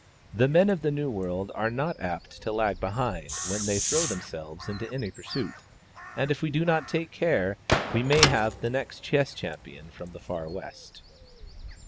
The men of the New World are not apt to lag behind when they throw themselves into any pursuit, and if we do not take care, we may have the next chess champion from the far west."